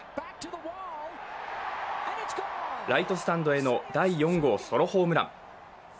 ライトスタンドへの第４号ソロホームラン。